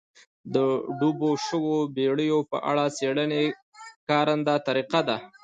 د ډوبو شویو بېړیو په اړه څېړنې کارنده طریقه ده.